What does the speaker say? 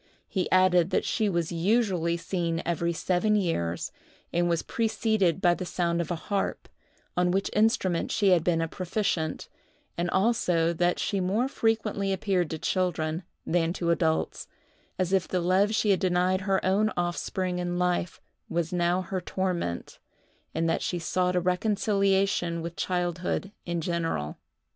He added that she was usually seen every seven years, and was preceded by the sound of a harp, on which instrument she had been a proficient; and also that she more frequently appeared to children than to adults,—as if the love she had denied her own offspring in life was now her torment, and that she sought a reconciliation with childhood in general.